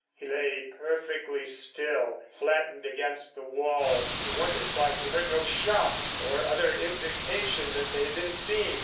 He lay perfectly still, flattened against the wall. He wondered why he heard no shot or other indication that they had been seen.